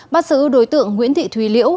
bắt giữ đối tượng nguyễn thị thùy liễu